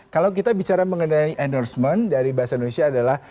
kalau kita bicara mengenai endorsement dari bahasa indonesia adalah